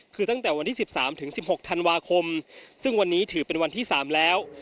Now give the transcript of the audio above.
คือตั้งแต่วันที่๑๓๑๖ธันวาคมซึ่งวันนี้ถือเป็นวันที่๓แล้ว